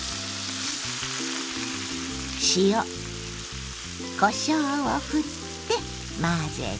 塩こしょうをふって混ぜて。